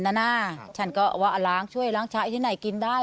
น่ะนะฉันก็ว่าหลังช่วยหลังช้ายที่ไหนกินได้